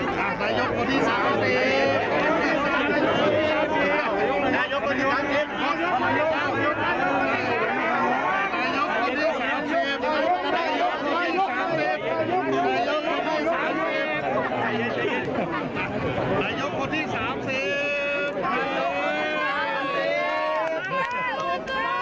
ป่ายยกคนที่สามเจียมป่ายยกคนที่สามเจียม